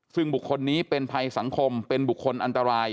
ซึ่งบุคคลนี้เป็นภัยสังคมเป็นบุคคลอันตราย